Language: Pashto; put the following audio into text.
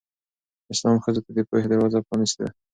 اسلام ښځو ته د پوهې دروازه پرانستې ده.